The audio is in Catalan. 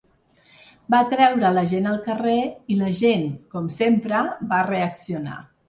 Va treure la gent al carrer, i la gent, com sempre, va reaccionar.